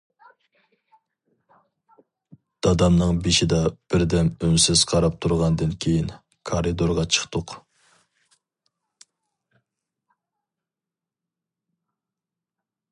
دادامنىڭ بېشىدا بىردەم ئۈنسىز قاراپ تۇرغاندىن كېيىن، كارىدورغا چىقتۇق.